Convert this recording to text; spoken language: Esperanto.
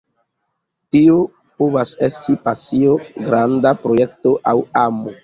Tio povas esti pasio, granda projekto, aŭ amo.